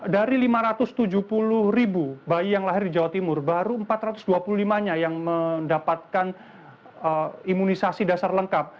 dari lima ratus tujuh puluh ribu bayi yang lahir di jawa timur baru empat ratus dua puluh lima nya yang mendapatkan imunisasi dasar lengkap